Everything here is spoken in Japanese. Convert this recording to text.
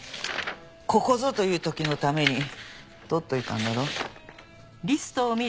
ここぞという時のために取っておいたんだろ？